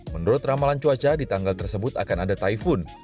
menurut ramalan cuaca di tanggal tersebut akan ada typhone